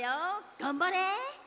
がんばれ！